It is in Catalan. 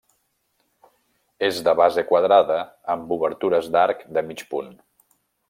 És de base quadrada amb obertures d'arc de mig punt.